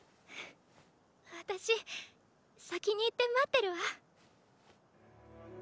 私先に行って待ってるわ。